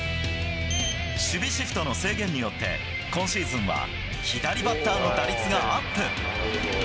守備シフトの制限によって、今シーズンは左バッターの打率がアップ。